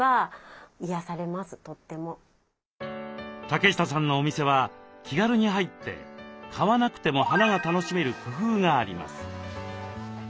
竹下さんのお店は気軽に入って買わなくても花が楽しめる工夫があります。